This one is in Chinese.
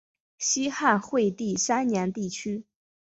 西汉惠帝三年地区。